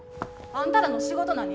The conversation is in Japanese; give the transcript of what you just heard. あんたらの仕事何？